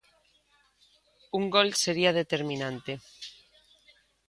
Un gol sería determinante.